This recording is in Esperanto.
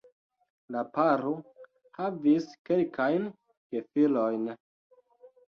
La paro havis kelkajn gefilojn.